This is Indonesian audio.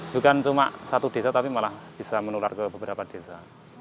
bukan cuma satu desa tapi malah bisa menular ke beberapa desa